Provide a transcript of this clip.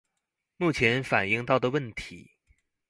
目前反應到的問題